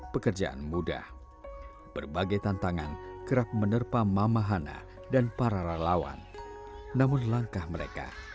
pekerjaan mudah berbagai tantangan kerap menerpa mamahana dan para lelawan namun langkah mereka